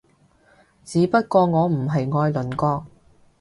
只不過我唔係愛鄰國